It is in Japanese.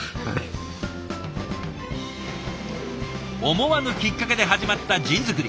思わぬきっかけで始まったジン作り。